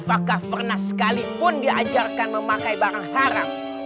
apakah pernah sekalipun diajarkan memakai barang haram